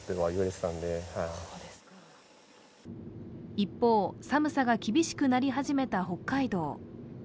一方、寒さが厳しくなり始めた北海道。